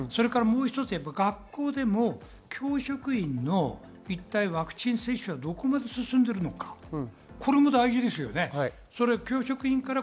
もう一つ、学校での教職員のワクチン接種はどこまで進んでいるのか、これも大事ですよね。